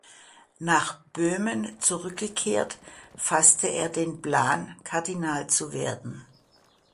Nach Böhmen zurückgekehrt, fasste er den Plan, Kardinal zu werden.